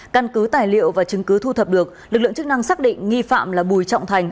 căn cứ tài liệu và chứng cứ thu thập được lực lượng chức năng xác định nghi phạm là bùi trọng thành